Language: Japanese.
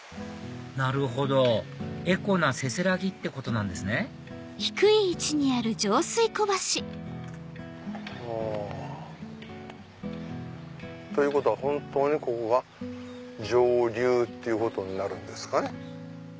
なるほどエコなせせらぎってことなんですねほお！ということは本当にここが上流ってことになるんですかね。